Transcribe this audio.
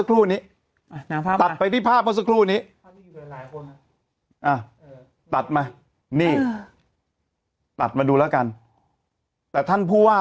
รภาพมาซักคู่นี้จากไปที่ภาพเมื่อสักคู่นี้